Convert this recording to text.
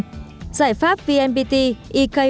giải pháp vnpt ekyc